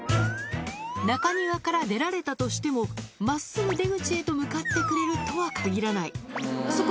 中庭から出られたとしても、まっすぐ出口へと向かってくれるとは限らない。